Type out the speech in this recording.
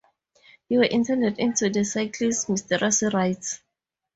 You were initiated into the circle’s mysterious rites.